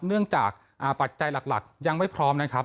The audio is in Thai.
เนื่องจากปัจจัยหลักยังไม่พร้อมนะครับ